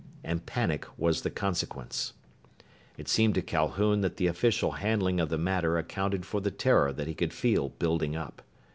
And panic was the consequence. It seemed to Calhoun that the official handling of the matter accounted for the terror that he could feel building up.